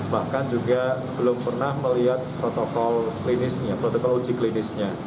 bahkan juga belum pernah melihat protokol klinisnya protokol uji klinisnya